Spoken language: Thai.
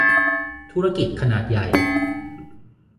ธุรกิจขนาดใหญ่